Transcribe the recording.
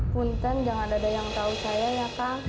punten jangan ada yang tahu saya ya kak